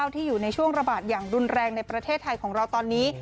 ที่อยู่ในช่วงระบาดอย่างรุนแรงในประเทศไทยของเราตอนนี้